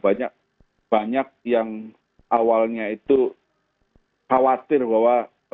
banyak banyak yang awalnya itu khawatir bahwa